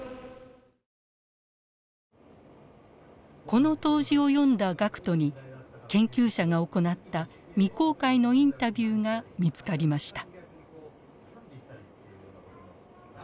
この答辞を読んだ学徒に研究者が行った未公開のインタビューが見つかりました。